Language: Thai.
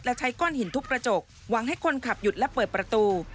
และใช้ก้อนหินทุบกระจกหวังให้คนขับหยุดและเปิดประตู